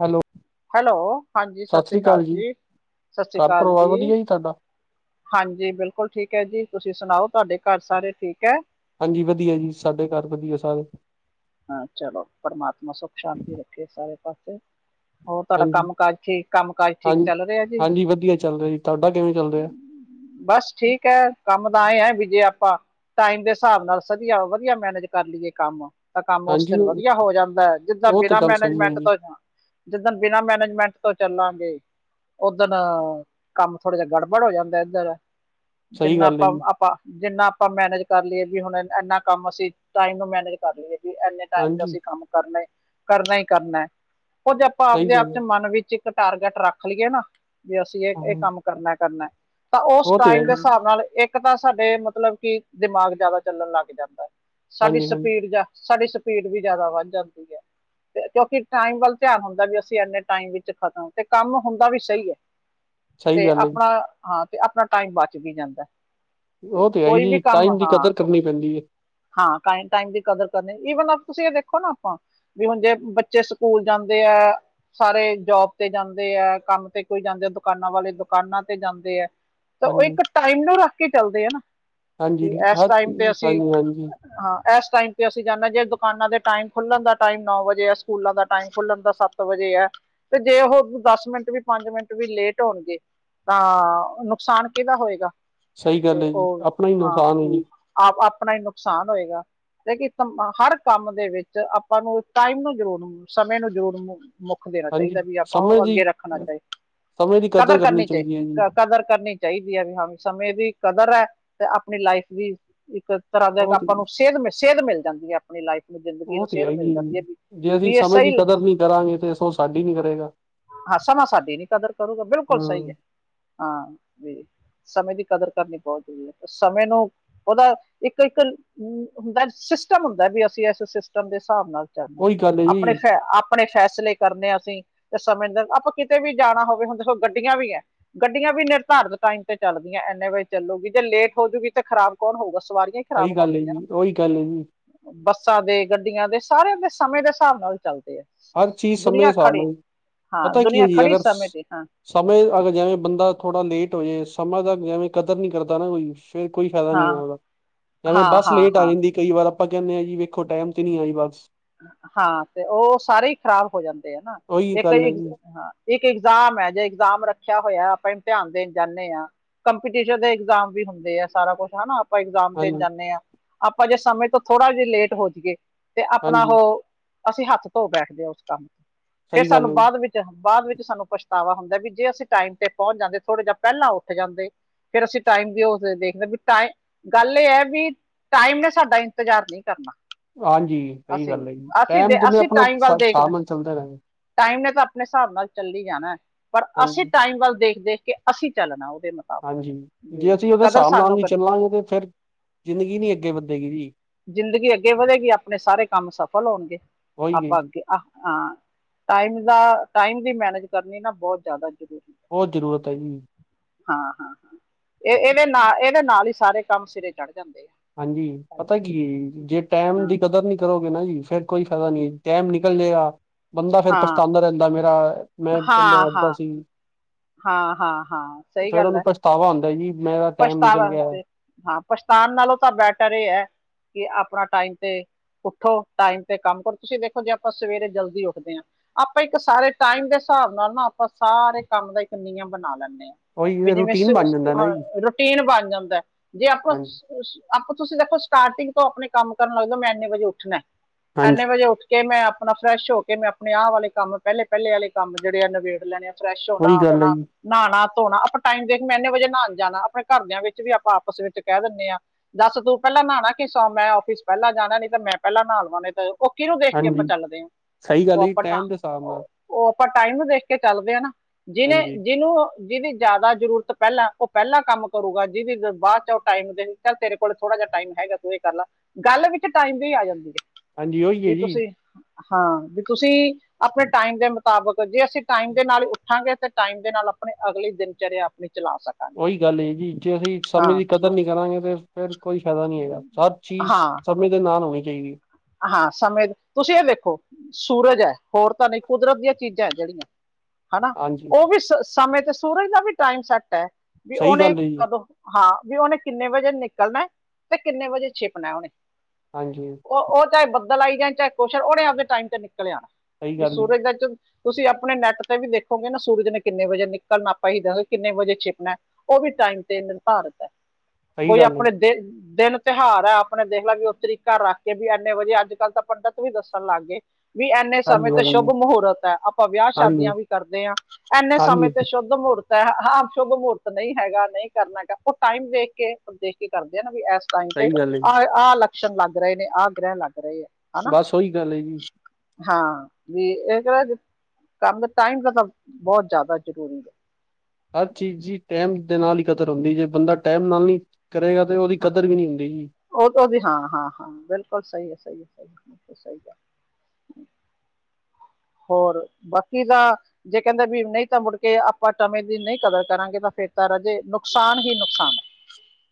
Hello. Hello, ਹਾਂਜੀ, ਸਤਿ ਸ਼੍ਰੀ ਅਕਾਲ ਜੀ। ਸਤਿ ਸ਼੍ਰੀ ਘਰ ਅਕਾਲ ਪਰਿਵਾਰ ਜੀ। ਵਧੀਆ ਤੁਹਾਡਾ ਹਾਂਜੀ, ਬਿਲਕੁਲ ਠੀਕ ਹੈ ਜੀ। ਤੁਸੀਂ ਸੁਨਾਓ, ਤੁਹਾਡੇ ਘਰ ਸਾਰੇ ਠੀਕ ਹੈ? ਹਾਂਜੀ ਵਦੀਆ ਜੀ, ਸਾਡੇ ਘਰ ਵਦੀਆ ਸਾਰੇ। ਹਾਂ ਚਲੋ, ਪਰਮਾਤਮਾ ਸੁੱਖ ਸ਼ਾਂਤੀ ਰੱਖੇ ਸਾਰੇ ਪਾਸੇ। ਹੋਰ ਤੁਹਾਡਾ ਹਾਂਜੀ ਕੰਮ-ਕਾਜ ਠੀਕ, ਕੰਮ-ਕਾਜ ਠੀਕ ਹਾਂਜੀ ਚੱਲ ਰਿਹਾ ਜੀ। ਹਾਂਜੀ ਵਧੀਆ ਚੱਲ ਰਿਹਾ ਜੀ ਤੁਹਾਡਾ ਕਿਵੇਂ ਚੱਲ ਰਿਹਾ ਬਸ ਠੀਕ ਹੈ, ਕੰਮ ਦਾ ਏ ਐ, ਬਿ ਜੇ ਆਪਾਂ ਟਾਈਮ ਦੇ ਹਿਸਾਬ ਨਾਲ, ਸਦੀਆ-ਵਦੀਆ ਮੈਨੇਜ ਕਰ ਲਈਏ ਕੰਮ। ਤਾਂ ਕੰਮ ਉਸ ਹਾਂਜੀ ਦਿਨ ਉਹ ਵਦੀਆ ਹੋ ਜਾਂਦਾ ਹੈ। ਜਿੱਦਾਂ ਉਹ ਤੇ ਬਿਨਾਂ ਗੱਲ ਸਹੀ ਹੈ ਮੈਨੇਜਮੈਂਟ ਜੀ ਤੋਂ ਜਾ ਜਿ ਦਿਨ ਬਿਨਾਂ ਮੈਨੇਜਮੈਂਟ ਤੋਂ ਚੱਲਾਂਗੇ ਓਦਣ ਕੰਮ ਥੋੜ੍ਹਾ ਜਿਆ ਗੜਬੜ ਹੋ ਜਾਂਦਾ ਹੈ। ਇੱਧਰ ਸਹੀ ਜਿੰਨਾ ਗੱਲ ਹੈ ਜੀ ਆਪਾਂ-ਆਪਾਂ ਜਿੰਨਾ ਆਪਾਂ ਮੈਨੇਜ ਕਰ ਲਈਏ, ਵੀ ਹੁਣ ਏਨ-ਇੰਨਾ ਕੰਮ ਅਸੀਂ ਟਾਈਮ ਨੂੰ ਮੈਨੇਜ ਕਰ ਲਈਏ, ਵੀ ਇਨੇ ਟਾਇਮ ਤੇ ਹਾਂਜੀ ਅਸੀਂ ਕੰਮ ਕਰਨਾ ਐ। ਕਰਨਾ ਹੀ ਕਰਨਾ ਐ, ਕੁੱਝ ਆਪਾਂ ਸਹੀ ਆਪਦੇ ਆਪ ਗੱਲ ਚ ਹੈ ਮਨ ਵਿੱਚੀ ਇੱਕ ਟਾਰਗੇਟ ਰੱਖ ਲਈਏ ਨਾ, ਵੀ ਅਸੀਂ ਹਾਂ ਇਹ-ਇਹ ਕੰਮ ਕਰਨਾ ਐ, ਕਰਨਾ ਐ। ਤਾਂ ਉਸ ਉਹ ਤੇ ਹੈ ਟਾਈਮ ਦੇ ਜੀ ਹਿਸਾਬ ਨਾਲ ਇੱਕ ਤਾਂ ਸਾਡੇ ਮਤਲਬ ਕਿ ਦਿਮਾਗ ਜ਼ਿਆਦਾ ਚੱਲਣ ਲੱਗ ਜਾਂਦਾ। ਸਾਡੀ ਹਾਂਜੀ ਹਾਂਜੀ ਸਪੀਡ ਜਾ ਸਾਡੀ ਸਪੀਡ ਵੀ ਜ਼ਿਆਦਾ ਵੱਧ ਜਾਂਦੀ ਹੈ। ਕਿਉਂਕਿ ਟਾਈਮ ਵੱਲ ਧਿਆਨ ਹੁੰਦਾ ਵੀ ਅਸੀਂ ਇਨੇ ਟਾਈਮ ਵਿੱਚ ਖਤਮ ਤੇ ਕੰਮ ਹੁੰਦਾ ਵੀ ਸਹੀ ਹੈ ਸਹੀ ਤੇ ਗੱਲ ਹੈ ਜੀ ਆਪਣਾ ਹਾਂ ਤੇ ਆਪਣਾ ਟਾਈਮ ਬਚ ਵੀ ਜਾਂਦਾ ਉਹ ਤੇ ਹੈਈ ਕੋਈ ਵੀ ਏ ਕੰਮ ਟਾਈਮ ਦੀ ਕਦਰ ਹਾਂ ਕਰਨੀ ਪੈਂਦੀ ਏ। ਹਾਂ ਟਾਈਮ ਟਾਈਮ ਦੀ ਕਦਰ ਕਰਨੀ ਈਵਨ ਤੁਸੀਂ ਇਹ ਦੇਖੋ ਨਾ ਆਪਾਂ ਵੀ ਹੁਣ ਜੇ ਬੱਚੇ ਸਕੂਲ ਜਾਂਦੇ ਐ ਸਾਰੇ ਜੋਬ ਤੇ ਜਾਂਦੇ ਐ ਕੰਮ ਤੇ ਕੋਈ ਜਾਂਦੇ ਦੁਕਾਨਾਂ ਵਾਲੇ ਦੁਕਾਨਾਂ ਤੇ ਜਾਂਦੇ ਐ ਤਾਂ ਉਹ ਹਾਂਜੀ ਇੱਕ ਟਾਈਮ ਨੂੰ ਰੱਖ ਕੇ ਚੱਲਦੇ ਆ ਨਾ ਹਾਂਜੀ ਕਿ ਇਸ ਹ ਟਾਈਮ ਤੇ ਅਸੀਂ ਹਾਂਜੀ ਹਾਂਜੀ ਹਾਂ ਇਸ ਟਾਈਮ ਤੇ ਅਸੀਂ ਜਾਂਦੇ ਜੇ ਦੁਕਾਨਾਂ ਦੇ ਟਾਈਮ ਖੁੱਲਣ ਦਾ ਟਾਈਮ ਨੌ ਵਜੇ ਹੈ ਸਕੂਲਾਂ ਦਾ ਟਾਈਮ ਖੁੱਲਣ ਦਾ ਸੱਤ ਵਜੇ ਹੈ ਤੇ ਜੇ ਉਹ ਦਸ ਮਿੰਟ ਵੀ ਪੰਜ ਮਿੰਟ ਵੀ ਲੇਟ ਹੋਣਗੇ ਤਾਂ ਨੁਕਸਾਨ ਕਿਹਦਾ ਹੋਏਗਾ ਸਹੀ ਗੱਲ ਤੇ ਹੈ ਜੀ ਉਹ ਆਪਣਾ ਹੀ ਹਾਂ ਨੁਕਸਾਨ ਜੀ ਆਪ ਆਪਣਾ ਹੀ ਨੁਕਸਾਨ ਹੋਏਗਾ ਏ ਕਿ ਹਰ ਕੰਮ ਦੇ ਵਿੱਚ ਆਪਾਂ ਨੂੰ ਟਾਈਮ ਨੂੰ ਜ਼ਰੂਰ, ਸਮੇਂ ਨੂੰ ਜ਼ਰੂਰ ਮੁ ਦੇਣਾ ਚਾਹੀਦਾ ਹਾਂਜੀ ਵੀ ਆਪਾਂ ਸਮੇਂ ਉਹ ਦੀ ਅੱਗੇ ਰੱਖਣਾ ਚਾਹੀਦਾ, ਸਮੇਂ ਦੀ ਕਦਰ ਕਰਨੀ ਚਾਹੀ ਚਾਹੀਦੀ ਹੈ ਜੀ ਕਦਰ ਕਰਨੀ ਚਾਹੀਦੀ ਆ ਵੀ ਹਾਂ, ਸਮੇਂ ਦੀ ਕਦਰ ਆ ਤੇ ਆਪਣੀ ਲਾਈਫ ਵੀ ਇੱਕ ਤਰ੍ਹਾਂ ਦਾ ਇੱਕ ਬਹੁਤ ਆਪਾਂ ਨੂੰ ਸੇਧ-ਸੇਧ ਮਿਲ ਜਾਂਦੀ ਆ। ਆਪਣੀ ਲਾਈਫ ਨੂੰ ਜ਼ਿੰਦਗੀ ਉਹ ਨੂੰ ਤੇ ਸੇਧ ਹੈ ਮਿਲ ਹੀ ਹੈ ਜਾਂਦੀ ਆ ਜੇ ਅਸੀਂ ਬਈ ਆ ਸਮੇਂ ਦੀ ਸਹੀ ਕਦਰ ਨਹੀਂ ਕਰਾਂਗੇ ਤੇ ਸੋ ਸਾਡੀ ਨੀ ਕਰੇਗਾ ਹਾਂ ਸਮਾਂ ਸਾਡੀ ਨੀ ਕਦਰ ਕਰੂਗਾ ਬਿਲਕੁਲ ਸਹੀ ਆ, ਹਾਂ ਹਾਂ ਵੀ ਸਮੇਂ ਦੀ ਕਦਰ ਕਰਨੀ ਬਹੁਤ ਜ਼ਰੂਰੀ ਆ, ਸਮੇਂ ਨੂੰ ਉਹਦਾ ਇੱਕ-ਇੱਕ ਹੁੰਦਾ ਸਿਸਟਮ ਹੁੰਦਾ ਵੀ ਅਸੀਂ ਇਸ ਸਿਸਟਮ ਦੇ ਹਿਸਾਬ ਨਾਲ ਚੱਲਣਾ, ਉਹੀ ਗੱਲ ਹੈ ਆਪਣੇ ਜੀ ਆਪਣੇ ਫ਼ੈਸਲੇ ਕਰਨੇ ਆ ਅਸੀਂ ਤੇ ਸਮੇਂ ਦੇ ਆਪਾਂ ਕਿਤੇ ਵੀ ਜਾਣਾ ਹੋਵੇ ਹੁਣ ਸਗੋਂ ਗੱਡੀਆਂ ਵੀ ਐ। ਗੱਡੀਆਂ ਵੀ ਨਿਰਧਾਰਤ ਟਾਈਮ ਤੇ ਚੱਲਦੀਆਂ, ਐਨੇ ਵਜੇ ਚੱਲੂਗੀ ਜੇ ਲੇਟ ਹੋਜੂਗੀ ਤੇ ਖਰਾਬ ਕੌਣ ਹੋਊਗਾ ਸਵਾਰੀਆਂ। ਖਰਾਬ ਸਹੀ ਗੱਲ ਐ ਹੋਣਗੀਆਂ ਜੀ, ਓਹੀ ਗੱਲ ਐ ਜੀ। ਬੱਸਾਂ ਦੇ, ਗੱਡੀਆਂ ਦੇ ਸਾਰੇ ਆਪਣੇ ਸਮੇਂ ਦੇ ਹਿਸਾਬ ਨਾਲ ਚੱਲਦੇ ਆ। ਹਰ ਚੀਜ਼ ਸਮੇਂ ਦੇ ਦੁਨੀਆਂ ਹਿਸਾਬ ਖੜੀ, ਨਾਲ ਹਾਂ ਪਤਾ ਕੀ ਹੈ ਦੁਨੀਆਂ ਜੀ ਖੜੀ ਅਗਰ ਸਮੇਂ ਤੇ ਹਾਂ। ਸਮੇਂ ਅਗਰ ਜਿਵੇਂ ਬੰਦਾ ਥੋੜਾ ਲੇਟ ਹੋ ਜਾਵੇ, ਸਮਾਂ ਦਾ ਜਿਵੇਂ ਕਦਰ ਨੀ ਕਰਦਾ ਨਾ ਕੋਈ। ਫਿਰ ਕੋਈ ਫਾਇਦਾ ਨਹੀਂ ਹਾਂ ਆ ਉਹਦਾ, ਜਿਵੇਂ ਹਾਂ ਬੱਸ ਹਾਂ ਲੇਟ ਆ ਹਾਂ ਜਾਂਦੀ। ਕਈ ਵਾਰ ਆਪਾਂ ਕਹਿੰਦੇ ਆ ਜੀ ਵੇਖੋ ਟਾਈਮ ਤੇ ਨੀ ਆਈ ਬੱਸ। ਹਾਂ ਤੇ ਉਹ ਸਾਰੇ ਹੀ ਖ਼ਰਾਬ ਹੋ ਜਾਂਦੇ ਆ ਨਾ ਉਹੀ ਇੱਕ ਗੱਲ ਤੇ, ਹੈ ਜੀ ਹਾਂ। ਇੱਕ ਇਗਜ਼ਾਮ ਐ ਜੇ ਇਗਜ਼ਾਮ ਰੱਖਿਆ ਹੋਇਆ ਆਪਾਂ ਇਮਤਿਹਾਨ ਦੇਣ ਜਾਂਦੇ ਆ ਕੰਪੀਟੀਸ਼ਨ ਦੇ ਇਗਜ਼ਾਮ ਵੀ ਹੁੰਦੇ ਆ, ਸਾਰਾ ਕੁੱਛ ਹਨਾ। ਆਪਾਂ ਇਗਜ਼ਾਮ ਦੇਣ ਹਾਂਜੀ ਜਾਣੇ ਆ, ਆਪਾਂ ਜੇ ਸਮੇਂ ਤੋਂ ਥੋੜ੍ਹਾ ਜਹਾ ਲੇਟ ਹੋ ਜਾਈਏ ਤੇ ਆਪਣਾ ਹਾਂਜੀ ਉਹ ਅਸੀਂ ਹੱਥ ਧੋ ਬੈਠਦੇ ਹਾਂ ਉਸ ਕੰਮ ਤੋਂ, ਫੇਰ ਸਹੀ ਗੱਲ ਸਾਨੂੰ ਹੈ ਜੀ ਬਾਅਦ ਵਿੱਚ ਬਾਅਦ ਵਿੱਚ ਸਾਨੂੰ ਪਛਤਾਵਾ ਹੁੰਦਾ ਵੀ ਜੇ ਅਸੀਂ ਟਾਈਮ ਤੇ ਪਹੁੰਚ ਜਾਂਦੇ, ਥੋੜ੍ਹਾ ਜਿਹਾ ਪਹਿਲਾਂ ਉੱਠ ਜਾਂਦੇ ਫੇਰ ਅਸੀਂ ਟਾਈਮ ਤੇ ਓ ਦੇਖਦੇ ਵੀ ਟਾ ਗੱਲ ਐ ਵਾ ਵੀ ਟਾਈਮ ਨੇ ਸਾਡਾ ਇੰਤਜ਼ਾਰ ਨਹੀਂ ਕਰਨਾ। ਹਾਂਜੀ ਸਹੀ ਅਸੀਂ ਗੱਲ ਐ ਜੀ, ਅਸੀਂ ਦੇ ਟੈਮ ਤੇ ਅਸੀਂ ਆਪਣਾ ਟਾਈਮ ਵੱਲ ਦੇਖਦੇ ਹਿਸਾਬ ਨਾਲ ਚੱਲਦਾ ਰਹਿੰਦਾ। ਟਾਈਮ ਨੇ ਤਾਂ ਆਪਣੇ ਹਿਸਾਬ ਨਾਲ ਚੱਲੀ ਜਾਣਾ, ਪਰ ਅਸੀਂ ਹਾਂਜੀ ਟਾਈਮ ਵੱਲ ਦੇਖ-ਦੇਖ ਕੇ ਅਸੀਂ ਚੱਲਣਾ ਉਹਦੇ ਨਾਲ। ਹਾਂਜੀ, ਜੇ ਅਸੀਂ ਉਹਦੇ ਹਿਸਾਬ ਨਾਲ ਨਹੀਂ ਚੱਲਾਂਗੇ ਤੇ ਫੇਰ ਜ਼ਿੰਦਗੀ ਨੀ ਅੱਗੇ ਵੱਧੇਗੀ ਜੀ। ਜ਼ਿੰਦਗੀ ਅੱਗੇ ਵਧੇਗੀ, ਆਪਣੇ ਸਾਰੇ ਕੰਮ ਸਫਲ ਹੋਣਗੇ, ਉਹੀ ਆਪਾਂ ਅੱਗੇ ਆ ਹਾਂ, ਟਾਈਮ ਦਾ ਟਾਈਮ ਦੀ ਮੈਨੇਜ ਕਰਨੀ ਨਾ ਬਹੁਤ ਜ਼ਿਆਦਾ ਜ਼ਰੂਰੀ। ਬਹੁਤ ਜ਼ਰੂਰਤ ਐ ਜੀ। ਹਾਂ ਹਾਂ ਹਾਂ, ਇਹ ਇਹਦੇ ਨਾਲ ਇਹਦੇ ਨਾਲ ਹੀ ਸਾਰੇ ਕੰਮ ਸਿਰੇ ਚੜ ਜਾਂਦੇ। ਹਾਂਜੀ, ਪਤਾ ਕੀ ਐ ਜੀ ਜੇ ਟਾਈਮ ਹਾਂ ਦੀ ਕਦਰ ਨੀ ਕਰੋਗੇ ਨਾ ਜੀ, ਫੇਰ ਕੋਈ ਫਾਇਦਾ ਨੀ ਆ ਹਮ, ਜੀ। ਟੈਮ ਨਿਕਲ ਜਏਗਾ, ਬੰਦਾ ਫੇਰ ਹਾਂ ਪਛਤਾਂਦਾ ਰਹਿੰਦਾ ਮੇਰਾ, ਮੈਂ ਪਹਿਲੇ ਹਾਂ ਏਦਾਂ ਹਾਂ ਸੀ। ਹਾਂ ਹਾਂ ਹਾਂ ਸਹੀ ਫੇਰ ਗੱਲ ਉਹਨੂੰ ਐ, ਪਛਤਾਵਾ ਹੁੰਦਾ ਜੀ ਮੇਰਾ ਟਾਈਮ ਪਛਤਾ ਨਿਕਲ ਗਿਆ ਵਾਸਤੇ ਹਾਂ, ਪਛਤਾਣ ਨਾਲੋਂ ਤਾਂ ਬੈਟਰ ਇਹ ਐ ਕਿ ਆਪਣਾ ਟਾਈਮ ਤੇ ਉੱਠੋ, ਟਾਈਮ ਤੇ ਕੰਮ ਕਰੋ, ਤੁਸੀਂ ਦੇਖੋ ਜੇ ਆਪਾਂ ਸਵੇਰੇ ਜਲਦੀ ਉੱਠਦੇ ਆ। ਆਪਾਂ ਇੱਕ ਸਾਰੇ ਟਾਈਮ ਦੇ ਹਿਸਾਬ ਨਾਲ ਨਾ ਆਪਾਂ ਸਾਰੇ ਕੰਮ ਦਾ ਇੱਕ ਨਿਯਮ ਬਣਾ ਲੈਣੇ ਆ। ਵੀ ਉਹੀ ਜਿਵੇਂ ਸ ਰੂਟੀਨ ਬਣ ਜਾਂਦਾ ਨਾ ਹਾਂ ਜੀ ਰੂਟੀਨ ਬਣ ਜਾਂਦਾ ਜੇ ਆਪਾਂ ਹਾਂਜੀ ਆਪਾਂ ਤੁਸੀਂ ਦੇਖੋ ਸਟਾਰਟਿੰਗ ਤੋਂ ਆਪਣੇ ਕੰਮ ਕਰਨ ਲੱਗ ਜੋ, ਮੈਂ ਐਨੇ ਵਜੇ ਉੱਠਣਾ, ਹਾਂਜੀ ਐਨੇ ਵਜੇ ਉੱਠ ਕਿ ਮੈਂ ਆਪਣਾ ਫਰੈਸ਼ ਹੋ ਕੇ, ਮੈਂ ਆਪਣੇ ਆਹ ਵਾਲੇ ਕੰਮ ਪਹਿਲੇ-ਪਹਿਲੇ ਆਲੇ ਕੰਮ ਜਿਹੜੇ ਆ ਨਿਬੇੜ ਲੈਣੇ ਆ, ਫਰੈਸ਼ ਨਾ ਉਹੀ ਗੱਲ ਹੈ ਆਪਣਾ ਜੀ ਨਾਹਾਣਾ, ਧੋਣਾ ਆਪਾਂ ਟਾਈਮ ਦੇਖ ਮੈਂ ਐਨੇ ਵਜੇ ਨਹਾਣ ਜਾਣਾ, ਆਪਣੇ ਘਰਦਿਆਂ ਵਿੱਚ ਵੀ ਆਪਾਂ ਆਪਸ ਵਿੱਚ ਕਹਿ ਦਿੰਨੇ ਆ ਦੱਸ ਤੂੰ ਪਹਿਲਾਂ ਨਹਾਣਾ ਕਿ ਸੌ ਮੈਂ ਓਫਿਸ ਪਹਿਲਾਂ ਜਾਣਾ ਨੀ ਤੇ ਮੈਂ ਪਹਿਲਾਂ ਨਹਾ ਲਵਾ, ਨਈ ਤੇ ਉਹ ਕਿਹਨੂੰ ਦੇਖ ਕੇ, ਆਪਾਂ ਹਾਂਜੀ ਚੱਲਦੇ ਆ, ਸਹੀ ਗੱਲ ਉਹ ਹੈ ਜੀ ਆਪਾਂ ਟਾਈਮ ਦੇ ਹਿਸਾਬ ਨਾਲ ਉਹ ਆਪਾਂ ਟਾਈਮ ਨੂੰ ਦੇਖ ਕੇ ਚੱਲਦੇ ਆ ਨਾ, ਜਿਹਨੇ ਹਾਂਜੀ ਜਿਹਨੂੰ ਜਿਹਦੀ ਜ਼ਿਆਦਾ ਜ਼ਰੂਰਤ ਪਹਿਲਾਂ, ਉਹ ਪਹਿਲਾਂ ਕੰਮ ਕਰੂਗਾ ਜਿਹਦੀ ਬਾਅਦ ਚ ਉਹ ਟਾਈਮ ਦੇ ਚੱਲ ਤੇਰੇ ਕੋਲ ਥੋੜਾ ਜਹਾ ਟਾਈਮ ਹੈਗਾ, ਤੂੰ ਇਹ ਕਰ ਲਾ ਗੱਲ ਵਿੱਚ ਟਾਈਮ ਦੀ ਆ ਜਾਂਦੀ ਐ। ਹਾਂਜੀ ਉਹੀ ਹੈ ਕੀ ਜੀ ਤੁਸੀਂ ਹਾਂ, ਵੀ ਤੁਸੀਂ ਆਪਣੇ ਟਾਈਮ ਦੇ ਮੁਤਾਬਕ ਜੇ ਅਸੀਂ ਟਾਈਮ ਦੇ ਨਾਲ ਉਠਾਗੇ ਤੇ ਟਾਈਮ ਦੇ ਨਾਲ ਆਪਣੀ ਅਗਲੀ ਦਿਨ ਚੜਿਆ ਆਪਣੀ ਚਲਾ ਸਕਦੇ ਉਹੀ ਗੱਲ ਏ ਜੀ, ਜੇ ਅਸੀਂ ਸਮੇਂ ਦੀ ਕਦਰ ਨਈ ਕਰਾਂਗੇ, ਤੇ ਫੇਰ ਕੋਈ ਫਾਇਦਾ ਨੀ ਹੈਗਾ, ਹਰ ਚੀਜ਼ ਹਾਂ ਸਮੇਂ ਦੇ ਨਾਲ ਹੋਣੀ ਚਾਹੀਦੀ ਹਾਂ ਸਮੇਂ, ਤੁਸੀਂ ਇਹ ਦੇਖੋ ਸੂਰਜ ਐ ਹੋਰ ਤਾਂ ਨਈ ਕੁਦਰਤ ਦੀਆਂ ਚੀਜ਼ਾਂ ਜਿਹੜੀਆਂ ਹਨਾ, ਹਾਂਜੀ ਉਹ ਵੀ ਸਮੇਂ ਤੇ ਸੂਰਜ ਦਾ ਵੀ ਟਾਈਮ ਸੈੱਟ ਐ, ਵੀ ਸਹੀ ਉਹਨੇ ਗੱਲ ਹੈ ਜੀ ਕਦੋਂ ਹਾਂ, ਵੀ ਉਹਹਨੇ ਕਿੰਨੇ ਵਜੇ ਨਿਕਲਣਾ, ਤੇ ਕਿੰਨੇ ਵਜੇ ਛਿਪਣਾ ਉਹਨੇ ਹਾਜੀ ਉਹ-ਉਹ ਚਾਹੇ ਬੱਦਲ ਆਈ ਜਾਣ, ਚਾਹੇ ਕੁਛ ਉਹਨੇ ਆਪਦੇ ਟਾਈਮ ਤੇ ਨਿਕਲ ਆਣਾ ਸਹੀ ਵੀ, ਗੱਲ ਹੈ ਸੂਰਜ ਦਾ ਤੁਸੀਂ ਆਪਣੇ ਨੈੱਟ ਤੇ ਵੀ ਦੇਖੋਗੇ ਨਾ ਸੂਰਜ ਨੇ ਕਿੰਨੇ ਵਜੇ ਨਿਕਲਣਾ ਆਪਾਂ ਏਹੀ ਕਹਾਗੇ ਕਿੰਨੇ ਵਜੇ ਛਿਪਣਾ ਉਹ ਵੀ ਟਾਈਮ ਤੇ ਨਿਰਧਾਰਤ ਐ। ਸਹੀ ਕੋਈ ਗੱਲ ਹੈ ਆਪਣੇ ਦਿ ਦਿਨ ਤਿਉਹਾਰ ਐ ਆਪਣੇ ਦੇਖਲਾ ਵੀ ਉਹ ਤਰੀਕਾ ਰੱਖ ਕਿ ਵੀ, ਇੰਨੇ ਵਜੇ ਅੱਜ ਕੱਲ੍ਹ ਤਾਂ ਪੰਡਿਤ ਵੀ ਦੱਸਣ ਲੱਗ ਗਏ ਵੀ ਇੰਨੇ ਸਮੇਂ ਹਾਂਜੀ ਤੇ ਸ਼ੁੱਭ ਹਾਂਜੀ ਮਹੂਰਤ ਐ ਆਪਾਂ ਵਿਆਹ ਹਾਂਜੀ ਸ਼ਾਦੀਆਂ ਵੀ ਕਰਦੇ ਆ ਇੰਨੇ ਸਮੇਂ ਹਾਂਜੀ ਤੇ ਸ਼ੁੱਧ ਮਹੂਰਤ ਐ, ਹਾਂ ਸ਼ੁਭ ਮਹੂਰਤ ਨਈ ਹੈਗਾ, ਨਈ ਕਰਨਾ ਉਹ ਟਾਈਮ ਦੇਖ ਕੇ ਦੇਖ ਕੇ ਕਰਦੇ ਆ ਨਾ, ਵੀ ਇਸ ਟਾਈਮ ਤੇ ਸਹੀ ਗੱਲ ਹੈ ਜੀ ਆਹ-ਆਹ ਲੱਛਣ ਲੱਗ ਰਹੇ ਨੇ, ਆਹ ਗ੍ਰਹਿਣ ਲੱਗ ਰਹੇ ਆ ਹਨਾ ਬਸ ਓਹੀ ਗੱਲ ਏ ਜੀ। ਹਾਂ, ਵੀ ਇਹ ਕਹ ਕੰਮ ਦਾ ਟਾਈਮ ਦਾ ਤਾਂ ਬਹੁਤ ਜ਼ਿਆਦਾ ਜ਼ਰੂਰੀ ਐ। ਹਰ ਚੀ ਚੀਜ਼ ਦੀ ਟਾਈਮ ਦੇ ਨਾਲ ਈ ਕਤਰ ਹੁੰਦੀ ਜੇ, ਬੰਦਾ ਟਾਈਮ ਨਾਲ ਨਈ ਕਰੇਗਾ, ਤੇ ਓਹਦੀ ਹਾਂ ਕਦਰ ਵੀ ਨਈ ਹੁੰਦੀ ਉਹ ਤਾਂ ਵੀ ਹਾਂ, ਹਾਂ, ਹਾਂ ਬਿਲਕੁਲ ਸਹੀ ਐ, ਸਹੀ ਐ, ਬਿਲਕੁਲ ਸਹੀ ਹੋਰ ਬਾਕੀ ਤਾਂ ਜੇ ਕਹਿੰਦੇ ਵੀ ਨਈ, ਤਾਂ ਮੁੜਕੇ ਆਪਾਂ ਸਮੇਂ ਦੀ ਨਈ ਕਦਰ ਕਰਾਂਗੇ ਤਾਂ ਫੇਰ ਤਾਂ ਰਜੇ ਨੁਕਸਾਨ ਹੀ ਨੁਕਸਾਨ ਐ।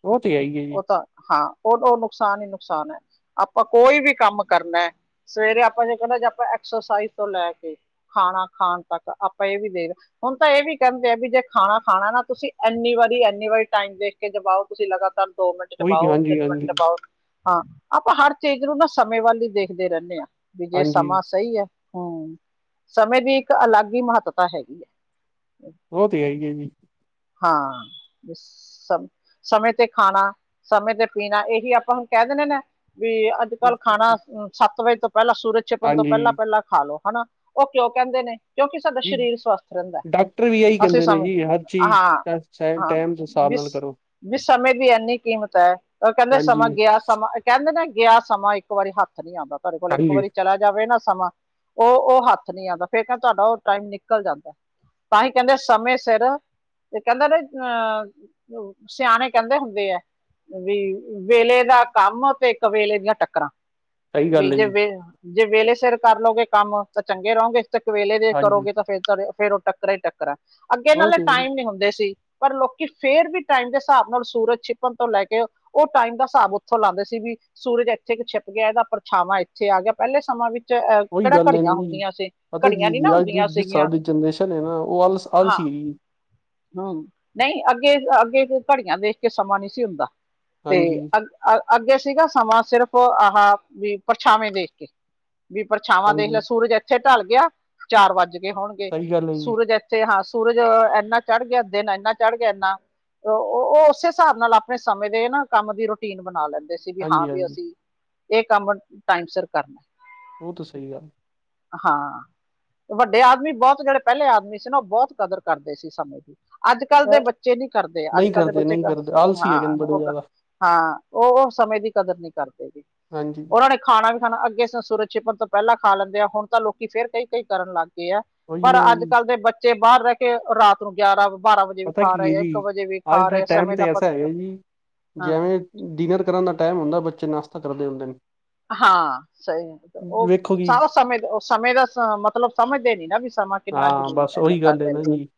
ਉਹ ਤੇ ਹੈ ਹੀ ਹੈ ਜੀ ਉਹ ਤਾਂ ਹਾਂ, ਉਹ ਨੁਕਸਾਨ ਈ ਨੁਕਸਾਨ ਐ। ਆਪਾਂ ਕੋਈ ਵੀ ਕੰਮ ਕਰਨਾ, ਸਵੇਰੇ ਆਪਾਂ ਜੇ ਕਹਿੰਣਾ ਜੇ ਆਪਾਂ ਐਕਸਰਸਾਈਜ਼ ਤੋਂ ਲੈ ਕੇ ਹਾ-ਹਾ ਖਾਣ ਤੱਕ ਦਾ, ਆਪਾਂ ਇਹ ਵੀ ਦੇਖਨਾ ਹੁਣ ਤਾਂ, ਇਹ ਵੀ ਕਹਿੰਦੇ ਆ ਵੀ ਜੇ ਖਾਣਾ ਖਾਣਾ ਨਾ ਤੁਸੀਂ ਇੰਨੀ ਵਾਰੀ ਇੰਨੀ ਵਾਰੀ ਟਾਈਮ ਦੇਖ ਕੇ ਚਬਾਓ, ਤੁਸੀਂ ਲਗਾਤਾਰ ਦੋ ਮਿੰਟ ਚ ਉਹੀ ਪਾਓ, ਹਾਂਜੀ ਤਿੰਨ ਮਿੰਟ ਹਾਂਜੀ ਚ ਪਾਓ ਹਾਂ, ਆਪਾਂ ਹਰ ਚੀਜ਼ ਨੂੰ ਨਾ ਸਮੇਂ ਵੱਲ ਹੀ ਦੇਖਦੇ ਰਹਿੰਨੇ ਆ ਵੀ ਜੇ ਹਾਂਜੀ ਸਮਾਂ ਸਹੀ ਐ। ਹੂੰ, ਸਮੇਂ ਦੀ ਇੱਕ ਅਲੱਗ ਹੀ ਮਹੱਤਤਾ ਹੈਗੀ। ਉਹ ਤੇ ਹੈ ਈ ਐ ਜੀ। ਹਾਂ ਸਮੇਂ ਤੇ ਖਾਣਾ, ਸਮੇਂ ਤੇ ਪੀਣਾ ਇਹੀ ਆਪਾਂ ਹੁਣ ਕਹਿ ਦੇਣੇ ਨੇ, ਵੀ ਅੱਜ ਕੱਲ੍ਹ ਖਾਣਾ ਸੱਤ ਵਜੇ ਤੋਂ ਪਹਿਲਾਂ, ਸੂਰਜ ਛਿਪਣ ਤੋਂ ਹਾਂਜੀ ਪਹਿਲਾਂ-ਪਹਿਲਾਂ ਖਾ ਲੋ ਹਨਾ ਉਹ ਕਿਉਂ ਕਹਿੰਦੇ ਨੇ, ਕਿਉਂਕਿ ਸਾਡਾ ਜੀ ਸਰੀਰ ਸਵਸਥ ਰਹਿੰਦਾ, ਡਾਕਟਰ ਵੀ ਇਹੀ ਅਸੀਂ ਕਹਿੰਦੇ ਨੇ ਸਾਨੂੰ ਜੀ ਹਰ ਚੀਜ਼ ਹਾਂ, ਹਾਂ, ਟਾਈਮ ਦੇ ਹਿਸਾਬ ਬਿਸ ਨਾਲ ਕਰੋ ਵੀ ਸਮੇਂ ਦੀ ਇੰਨੀ ਕੀਮਤ ਐ ਉਹ ਕਹਿੰਦੇ ਸਮਾਂ ਹਾਂਜੀ, ਗਿਆ ਸਮਾਂ, ਕਹਿੰਦੇ ਨੇ ਗਿਆ ਸਮਾਂ ਇੱਕ ਵਾਰੀ ਹੱਥ ਨੀ ਆਦਾ, ਤੁਹਾਡੇ ਕੋਲ ਇੱਕ ਹਾਂਜੀ ਵਾਰੀ ਚਲਾ ਜਾਵੇ ਨਾ ਸਮਾਂ, ਉਹ-ਉਹ ਹੱਥ ਨੀ ਆਦਾ ਫੇਰ ਕਹਿੰਦੇ ਤੁਹਾਡਾ ਉਹ ਟਾਈਮ ਨਿਕਲ ਜਾਂਦਾ ਤਾਂਹੀ ਕਹਿੰਦੇ ਸਮੇ ਸਿਰ ਤੇ ਕਹਿੰਦੇ ਨੇ ਅਹ, ਸਿਆਣੇ ਕਹਿੰਦੇ ਹੁੰਦੇ ਆ। ਵੀ ਵੇਲੇ ਦਾ ਕੰਮ 'ਤੇ ਇੱਕ ਵੇਲੇ ਦੀਆਂ ਟੱਕਰਾਂ। ਸਹੀ ਵੀ ਗੱਲ ਹੈ ਜੇ ਜੀ, ਵੇ ਜੇ ਵੇਲੇ ਸਿਰ ਕਰ ਲੋਗੇ ਕੰਮ ਤਾਂ ਚੰਗੇ ਰਹੋਗੇ ਚੱਕ ਵੇਲੇ ਜੇ ਹਾਂਜੀ ਕਰੋਗੇ ਤਾਂ ਫਿਰ ਤਰ ਫੇਰ ਓ ਟੱਕਰਾਂ ਈ ਟੱਕਰਾਂ ਅੱਗੇ ਉਹ ਨਾਲੇ ਤੇ ਟਾਈਮ ਨੀ ਹੁੰਦੇ ਸੀ। ਪਰ ਲੋਕੀ ਫੇਰ ਵੀ ਟਾਈਮ ਦੇ ਹਿਸਾਬ ਨਾਲ ਸੂਰਜ ਛਿਪਣ ਤੋਂ ਲੈ ਕੇ ਓ ਟਾਈਮ ਦਾ ਹਿਸਾਬ ਉੱਥੋਂ ਲਾਂਦੇ ਸੀ ਵੀ ਸੂਰਜ ਐਥੇ ਕ ਛਿਪ ਗਿਆ ਐਦਾ ਪਰਛਾਵਾਂ ਏਥੇ ਆ ਗਿਆ ਪਹਿਲੇ ਸਮਾਂ ਵੀ 'ਚ ਅ ਉਹੀ ਕੇੜਾ ਗੱਲ ਹੈ ਨਾ ਘੜੀਆਂ ਜੀ। ਹੁੰਦੀਆਂ ਸੀ, ਪਤਾ ਘੜੀਆਂ ਕੀ ਨੀ ਜੀ ਨਾ ਅੱਜ ਦੀ ਹੁੰਦੀਆਂ ਜਿਸ ਸੀਗੀਆਂ, ਹਿਸਾਬ ਦੀ ਜਨਰੇਸ਼ਨ ਹੈ ਨਾ ਉਹ ਆਲਸ ਹਾਂ। ਆਲਸੀ ਹੈਗੀ ਹੂੰ ਨਈ ਅੱਗੇ, ਅੱਗੇ ਘੜੀਆਂ ਵੇਖ ਕੇ ਸਮਾਂ ਨੀ ਸੀ ਹੁੰਦਾ 'ਤੇ ਹਾਂਜੀ। ਅੱ ਅ ਅੱਗੇ ਸੀਗਾ ਸਮਾਂ ਸਿਰਫ਼ ਆਹ ਵੀ ਪਰਛਾਵੇਂ ਦੇਖ ਕੇ। ਵੀ ਪਰਛਾਵਾਂ ਦੇਖ ਹਾਂਜੀ ਲਿਆ ਸੂਰਜ ਐਥੇ ਟਲ ਗਿਆ, ਚਾਰ ਵੱਜ ਗੇ ਹੋਣਗੇ ਸਹੀ ਗੱਲ ਹੈ ਜੀ, ਸੂਰਜ ਇ 'ਤੇ ਹਾਂ ਸੂਰਜ ਐਨਾ ਚੜ ਗਿਆ, ਦਿਨ ਐਨਾ ਚੜ ਗਿਆ ਐਨਾ ਓ, ਓ ਉਸੇ ਹਿਸਾਬ ਨਾਲ ਆਪਣੇ ਸਮੇਂ ਦੇ ਨਾ ਕੰਮ ਦੀ ਰੂਟੀਨ ਬਣਾ ਲੈਂ ਦੇ ਸੀ ਵੀ ਹਾਂ ਹਾਂਜੀ ਵੀ ਹਾਂਜੀ ਅਸੀਂ, ਏ ਕੰਮ ਟਾਈਮ ਸਿਰ ਕਰਨਾ। ਓ ਤੋਂ ਸਈ ਗੱਲ। ਹਾਂ, ਵੱਡੇ ਆਦਮੀ ਬੋਤ ਜੇੜੇ ਪਹਿਲੇ ਆਦਮੀ ਸੀ ਨਾ ਓ ਬੋਤ ਕਦਰ ਕਰਦੇ ਸੀ ਸਮੇਂ ਦੀ। ਅੱਜ-ਕੱਲ ਦੇ ਐ ਬੱਚੇ ਨੀ ਕਰਦੇ ਨਹੀਂ ਅੱਜ-ਕੱਲ ਦੇ ਕਰਦੇ ਬੱਚੇ ਨਹੀਂ ਬਸ ਕਰਦੇ ਆਲਸੀ ਹਾਂ ਹੈਗੇ ਨੇ ਬੜੇ ਓ ਕ ਜ਼ਿਆਦਾ ਹਾਂ ਓ-ਓ ਸਮੇਂ ਦੀ ਕਦਰ ਨੀ ਕਰਦੇ ਜੀ, ਹਾਂਜੀ ਉਨਾਂ ਨੇ ਖਾਣਾ ਵੀ ਖਾਣਾ ਅੱਗੇ ਸ ਸੂਰਤ ਛਿਪਣ ਤੋਂ ਪਹਿਲਾਂ ਖਾ ਲੈਂਦੇ ਆ ਹੁਣ ਤਾਂ ਲੋਕੀ ਫੇਰ ਕਈ-ਕਈ ਕਰਨ ਲਾ ਗੇ ਐ, ਉਹੀ ਪਰ ਨਾ ਜੀ ਅੱਜ-ਕਲ ਦੇ ਬੱਚੇ ਬਾਰ ਰੈ ਕੇ ਰਾ ਤ ਨੂੰ ਗਿਆਰਾਂ-ਬਾਰਾਂ ਵਜੇ ਵੀ ਪਤਾ ਖਾ ਕੀ ਹੈ ਰੇਅ ਐ, ਜੀ ਇੱਕ ਵਜੇ ਵੀ ਅੱਜ ਖਾ ਦੇ ਰੇਅ ਟਾਈਮ ਸਮੇਂ ਦਾ ਤੇ ਪ, ਐਸਾ ਹੈਗਾ ਜੀ ਹਾਂ। ਜਿਵੇਂ ਡਿਨਰ ਕਰਨ ਦਾ ਟਾਈਮ ਹੁੰਦਾ ਬੱਚੇ ਨਾਸ਼ਤਾ ਕਰਦੇ ਹੁੰਦੇ ਨੇ। ਹਾਂ ਸਈ ਓ ਵੇਖੋ ਜੀ ਸਾਰਾ ਸਮੇਂ ਓ ਸਮੇਂ ਦਾ ਸ ਮਤਲਬ ਸਮਝਦੇ ਨੀ ਨਾ ਵੀ ਸਮਾਂ ਕਿੰਨਾ ਹਾਂ ਜ਼ਰੂਰੀ ਬਸ ਹੈਗਾ ਉਹੀ ਗੱਲ ਹੈ ਸਾਡੇ ਲਈ। ਨਾ ਜੀ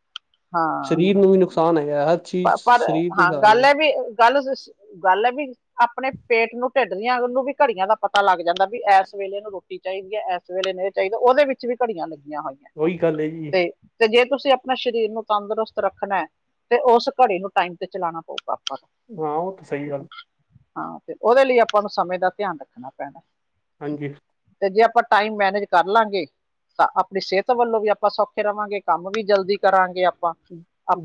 ਹਾਂ, ਸਰੀਰ ਨੂੰ ਵੀ ਨੁਕਸਾਨ ਹੈਗਾ ਹਰ ਚੀਜ਼ ਪ ਪਰ ਸਰੀਰ ਦੇ ਹਾਂ ਹਿਸਾਬ ਨਾਲ ਗੱਲ ਐ ਵੀ ਗੱਲ ਜਸ ਗੱਲ ਐ ਵੀ ਆਪਣੇ ਪੇਂਟ ਨੂੰ, ਢਿੱਡ ਦੀਆਂ ਨੂੰ ਵੀ ਘੜੀਆਂ ਦਾ ਪਤਾ ਲੱਗ ਜਾਂਦਾ ਵੀ ਐਸ ਵੇਲੇ ਨੂੰ ਰੋਟੀ ਚਾਈਦੀ ਐ, ਐਸ ਵੇਲੇ ਨੂੰ ਓ ਚਾਈਦਾ ਉਦੇ ਵਿੱਚ ਵੀ ਘੜੀਆਂ ਲੱਗੀਆਂ ਹੋਈਆਂ। ਉਹੀ ਗੱਲ ਏ ਵੀ 'ਤੇ ਜੇ ਤੁਸੀਂ ਆਪਣਾ ਸਰੀਰ ਨੂੰ ਤੰਦਰੁਸਤ ਰੱਖਣੈ 'ਤੇ ਉਸ ਘੜੀ ਨੂੰ ਟਾਈਮ 'ਤੇ ਚਲਾਣਾ ਪਊਗਾ। ਹਾਂ ਉਹ ਤਾਂ ਸਹੀ ਠੀਕ ਐ ਗੱਲ ਹਾਂ ਫੇਰ ਉਦੇ ਲਈ ਆਪਾਂ ਨੂੰ ਸਮੇਂ ਦਾ ਧਿਆਨ ਰੱਖਣਾ ਪੈਣਾ। ਹਾਂਜੀ। 'ਤੇ ਜੇ ਆਪਾਂ ਟਾਈਮ ਮੈਨੇਜ ਕਰ ਲਾਂਗੇ ਤਾਂ ਆਪਣੀ ਸੇਅਤ ਵੱਲੋਂ ਵੀ ਆਪਾਂ ਸੌਖੇ ਰਵਾਂਗੇ, ਕੰਮ ਵੀ ਜਲਦੀ ਕਰਾਂਗੇ ਆਪਾਂ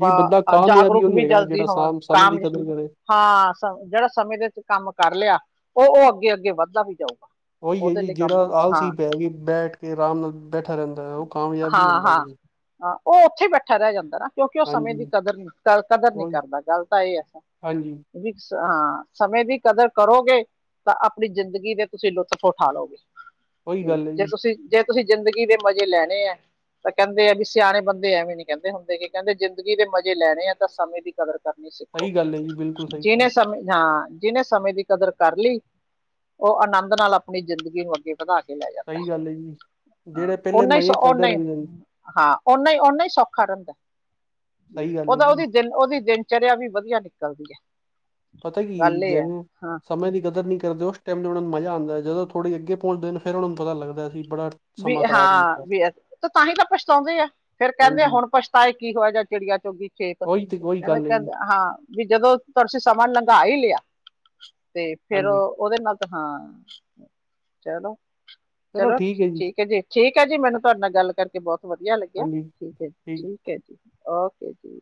ਜੀ ਬੰਦਾ ਕਾਮਯਾਬੀ ਜਾਗਰੂਕ ਉਹੀ ਵੀ ਹੈਗਾ ਜਲਦੀ ਜਿਹੜਾ ਹੋਵਾਂ ਸਾਮ ਸਮੇਂ ਕਾਮ ਦੀ ਏ। ਕਦਰ ਕਰੇ ਹਾਂ ਸ ਜੇੜਾ ਸਮੇਂ ਦੇ ਵਿੱਚ ਕੰਮ ਕਰ ਲਿਆ ਓ-ਓ ਅੱਗੇ-ਅੱਗੇ ਵੱਧਦਾ ਵੀ ਜਾਊਗਾ। ਉਹੀ ਏ ਉਹਦੇ ਵੀ ਲਈ ਜੇੜਾ ਕੰਮ ਹਾਂ ਆਲਸੀ ਪੈਗੀ ਬੈਠ ਕੇ ਆਰਾਮ ਨਾਲ ਬੈਠਾ ਰੈਂਦਾ ਐ ਓ ਕਾਮਯਾਬ ਹਾਂ ਨੀ ਹੁੰਦਾ ਹਾਂ ਵੀ। ਹਾਂ ਓ ਉੱਥੇ ਈ ਬੈਠਾ ਰੈ ਜਾਂਦਾ ਨਾ ਕਿਉਂਕਿ ਓ ਸਮੇਂ ਦੀ ਹਾਂਜੀ ਕਦਰ ਨੀ ਕ ਕਦਰ ਨੀ ਉਹ ਕਰਦਾ ਗੱਲ ਤਾਂ ਏ ਆ ਸਾ। ਹਾਂਜੀ ਵਿਸ ਹਾਂ ਸਮੇਂ ਦੀ ਕਦਰ ਕਰੋਗੇ ਤਾਂ ਆਪਣੀ ਜ਼ਿੰਦਗੀ ਦੇ ਤੁਸੀਂ ਲੁਤਫ ਉਠਾ ਲੋਗੇ ਉਹੀ ਹੂੰ ਗੱਲ ਹੈ ਜੇ ਜੀ ਤੁਸੀਂ ਜੇ ਤੁਸੀਂ ਜ਼ਿੰਦਗੀ ਦੇ ਮਜ਼ੇ ਲੈਣੇ ਐ ਤਾਂ ਕੈਂਦੇ ਐ ਵੀ ਸਿਆਣੇ ਬੰਦੇ ਐਵੇਂ ਨੀ ਕੈਂਦੇ ਹੁੰਦੇ ਕੇ ਕੈਂਦੇ ਜ਼ਿੰਦਗੀ ਦੇ ਮਜ਼ੇ ਲੈਣੇ ਆ ਤਾਂ ਸਮੇਂ ਦੀ ਕਦਰ ਕਰਨੀ ਸਿੱਖੋ, ਸਹੀ ਗੱਲ ਹੈ ਜੀ ਬਿਲਕੁਲ ਸਹੀ ਜਿਨੇ ਗੱਲ ਸਮੇਂ ਹਾਂ ਜਿਨੇ ਸਮੇਂ ਦੀ ਕਦਰ ਕਰ ਲੀ, ਓ ਆਨੰਦ ਨਾਲ ਆਪਣੀ ਜ਼ਿੰਦਗੀ ਨੂੰ ਅੱਗੇ ਵਧਾ ਕੇ ਲੈ ਜਾਂਦੈ, ਸਹੀ ਗੱਲ ਹੈ ਜੀ ‌ ਹਾਂ ਜਿਹੜੇ ਪਹਿਲੇ ਉਨਾਂ ਈ ਮਜ਼ੇ ਸੌ ਕਰਦੇ ਉਨਾਂ ਈ ਰਹਿੰਦੇ ਨੇ ਹਾਂ ਉਨਾਂ ਈ, ਉਨਾਂ ਈ ਸੌਖਾ ਰੈਂਦੇ, ਸਹੀ ਗੱਲ ਹੈ ਉਦਾ ਜੀ ਉਦੀ ਦਿਲ ਓਹਦੀ ਦਿਨ ਚਰੇਆ ਵੀ ਵਧੀਆ ਨਿਕਲਦੀ ਏ। ਪਤਾ ਕੀ ਜਿਵੇਂ ਸਮੇਂ ਦੀ ਕਦਰ ਨੀ ਕਰਦੇ ਓ ਟੈਮ ਦੇ ਓਨਾਨੂੰ ਮਜਾ ਆਂਦਾ ਜਦੋਂ ਥੋੜ੍ਹੀ ਅੱਗੇ ਪਹੁੰਚਦੇਨ ਫੇਰ ਓਹਨਾਂ ਨੂੰ ਪਤਾ ਲੱਗਦਾ ਅਸੀ ਬੜਾ ਵੀ ਸਮਾਂ ਖ਼ਰਾਬ ਹਾਂ, ਕੀਤਾ ਵੀ ਤੋ ਤਾਂਹੀ ਤਾਂ ਪਛਤਾਉਂਦੇ ਐ। ਫੇਰ ਕੈਂਦੇ ਹਾਂਜੀ ਹੁਣ ਪਛਤਾਏ ਕੀ ਹੋਇਆ, ਜਾ ਚਿੜੀਆ ਚੁਗ ਗੀ ਖੇਤ, ਉਹੀ ਤੇ ਉਹੀ ਗੱਲ ਹੈ ਕੈਂਦੇ-ਕੈਂਦੇ ਜੀ ਹਾਂ। ਵੀ ਜਦੋਂ ਤੁਰਸੀ ਸਮਾਂ ਲੰਘਾ ਈ ਲੇਆ, ਤੇ ਫੇਰ ਓ ਹਾਂਜੀ ਔਦੇ ਨਾਲ ਤਾਂ ਹਾਂ, ਚਲੋ ਚਲੋ ਠੀਕ ਏ, ਜੀ। ਕੈ ਜੀ ਠੀਕ ਏ ਜੀ, ਮੈਨੂੰ ਤੁਆਡੇ ਨਾਲ ਗੱਲ ਕਰਕੇ ਬੋਤ ਵਧੀਆ ਲੱਗੇਆ, ਹਾਂਜੀ ਠੀਕ ਏ ਜੀ। ਕੇ ਜੀ, ਔਕੇ ਜੀ।